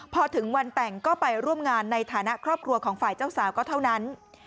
พอถึงวันแต่งก็ไปร่วมงานในฐานะครอบครัวของฝ่ายเจ้าสาวก็เท่านั้น